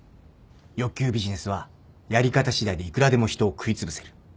欲求ビジネスはやり方しだいでいくらでも人を食いつぶせる